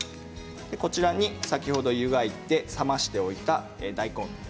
こちらに先ほど湯がいて冷ましておいた大根。